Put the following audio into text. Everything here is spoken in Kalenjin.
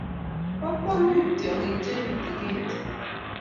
bo konkwong'ut tyong'ik che mito kerti